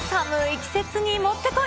季節にもってこい。